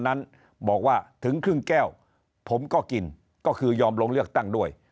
นั้นบอกว่าถึงครึ่งแก้วผมก็กินก็คือยอมลงเลือกตั้งด้วย